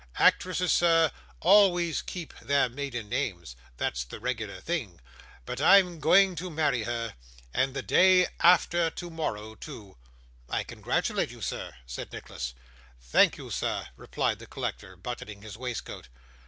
'Actresses, sir, always keep their maiden names that's the regular thing but I'm going to marry her; and the day after tomorrow, too.' 'I congratulate you, sir,' said Nicholas. 'Thank you, sir,' replied the collector, buttoning his waistcoat.